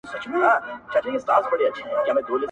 o خلک يوازي بقا غواړي دلته,